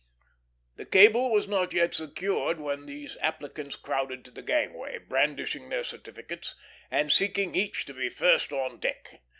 The cable was not yet secured when these applicants crowded to the gangway, brandishing their certificates, and seeking each to be first on deck.